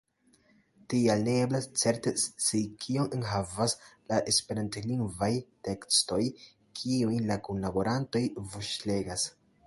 Tial ne eblas certe scii, kion enhavas la esperantlingvaj tekstoj, kiujn la kunlaborantoj voĉlegas.